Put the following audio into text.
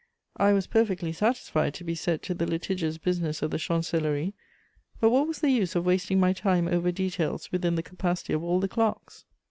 I was perfectly satisfied to be set to the litigious business of the chancellerie: but what was the use of wasting my time over details within the capacity of all the clerks?